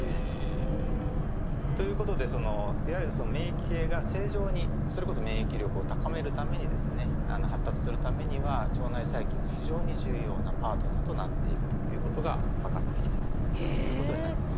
ええ。ということでそのいわゆる免疫系が正常にそれこそ免疫力を高めるためにですね発達するためには腸内細菌が非常に重要なパートナーとなっているということが分かってきてるということになります。